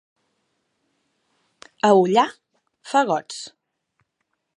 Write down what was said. A Ullà, fagots.